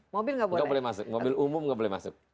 mobil gak boleh masuk mobil umum gak boleh masuk